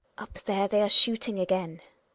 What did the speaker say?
Up there they are shooting again !